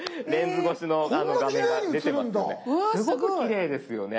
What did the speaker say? すごくきれいですよね。